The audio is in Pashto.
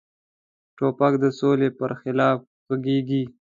توپک د سولې پر خلاف غږیږي.